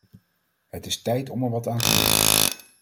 Het is tijd om er wat aan te doen.